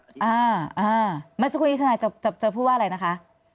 อ่ามาสกุลนี้ทนายจะพูดว่าอะไรนะคะ